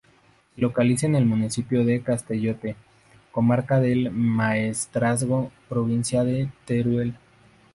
Se localiza en el municipio de Castellote, comarca del Maestrazgo, provincia de Teruel.